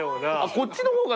こっちの方が。